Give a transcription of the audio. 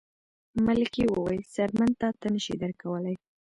ملکې وویل څرمن تاته نه شي درکولی.